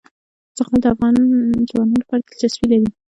زغال د افغان ځوانانو لپاره دلچسپي لري.